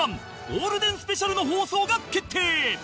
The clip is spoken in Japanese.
ゴールデンスペシャルの放送が決定！